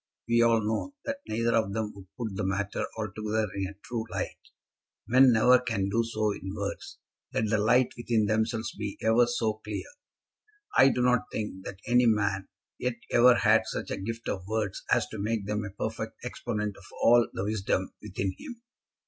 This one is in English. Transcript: We all know that neither of them would put the matter altogether in a true light. Men never can do so in words, let the light within themselves be ever so clear. I do not think that any man yet ever had such a gift of words as to make them a perfect exponent of all the wisdom within him.